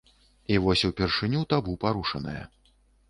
І вось упершыню табу парушанае.